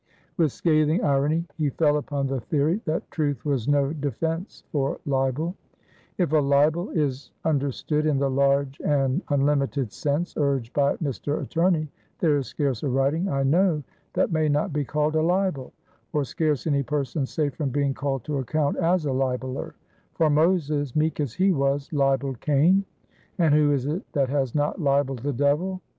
With scathing irony he fell upon the theory that truth was no defense for libel: If a libel is understood in the large and unlimited sense urged by Mr. Attorney, there is scarce a writing I know that may not be called a libel, or scarce any person safe from being called to account as a libeller; for Moses, meek as he was, libelled Cain, and who is it that has not libelled the devil?